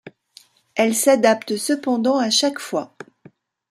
Elle s'adapte cependant à chaque fois.